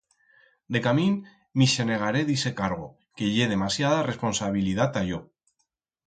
Decamín m'ixenegaré d'ixe cargo, que ye desmasiada responsabilidat ta yo.